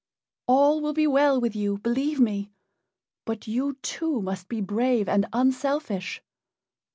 All will be well with you, believe me. But you, too, must be brave and unselfish."